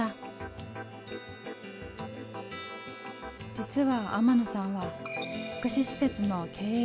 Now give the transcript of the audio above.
実は天野さんは福祉施設の経営者。